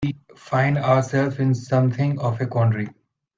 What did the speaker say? We find ourselves in something of a quandary.